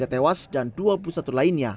tiga tewas dan dua puluh satu lainnya